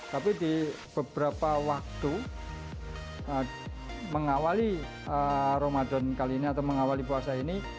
tapi di beberapa waktu mengawali ramadan kali ini atau mengawali puasa ini